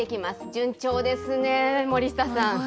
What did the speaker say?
順調ですね、森下さん。